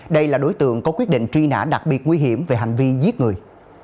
đây là đối tượng có quyết định truy nã đặc biệt nguy hiểm về hành vi giết người